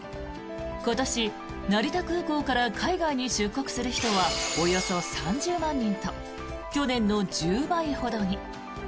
今年、成田空港から海外に出国する人はおよそ３０万人と去年の１０倍ほどに。